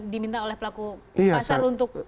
diminta oleh pelaku pasar untuk